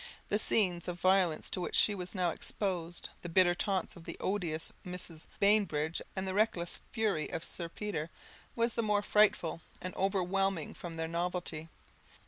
The scenes of violence to which she was now exposed, the bitter taunts of the odious Mrs. Bainbridge, and the reckless fury of Sir Peter, were the more frightful and overwhelming from their novelty.